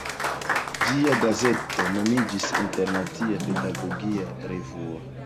Ĝia gazeto nomiĝis "Internacia Pedagogia Revuo.